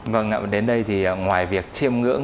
vâng ạ đến đây thì ngoài việc chiêm ngưỡng